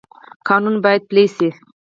قانون باید پلی شي